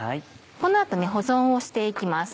この後保存をして行きます。